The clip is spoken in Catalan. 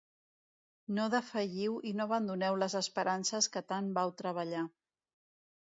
No defalliu i no abandoneu les esperances que tant vau treballar.